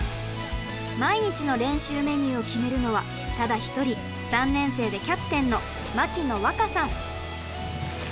毎日の練習メニューを決めるのはただ一人３年生でキャプテンの牧野和香さん。